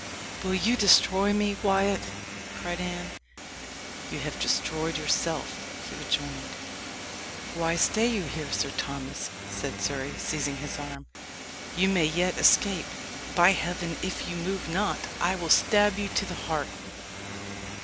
"Will you destroy me, Wyat?" cried Anne. "You have destroyed yourself," he rejoined. "Why stay you here, Sir Thomas?" said Surrey, seizing his arm. "You may yet escape. By heaven! if you move not, I will stab you to the heart!"